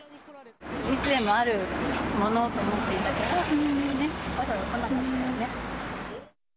いつでもあるものと思っていたから、わざわざ来なかったよね。